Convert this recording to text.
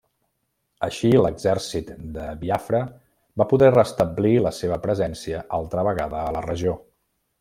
Així, l'exèrcit de Biafra va poder restablir la seva presència altra vegada a la regió.